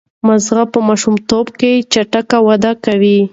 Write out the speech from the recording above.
ماغزه په ماشومتوب کې چټک وده کوي.